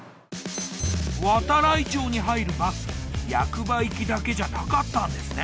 度会町に入るバス役場行きだけじゃなかったんですね。